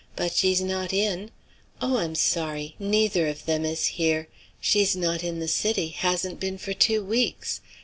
But she's not in. Oh! I'm sorry. Neither of them is here. She's not in the city; hasn't been for two weeks.